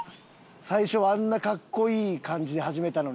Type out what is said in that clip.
最初はあんなかっこいい感じで始めたのに。